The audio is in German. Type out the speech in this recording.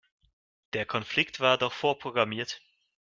Der Konflikt war doch vorprogrammiert.